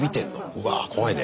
うわぁ怖いね。